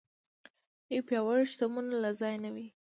لوی پياوړ شتمنو له ځایه نه وي.